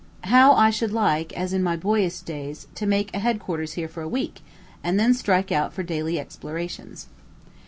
How I should like, as in my boyish days, to make head quarters here for a week, and then strike out for daily explorations.